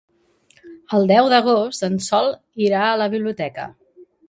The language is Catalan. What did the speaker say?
El deu d'agost en Sol irà a la biblioteca.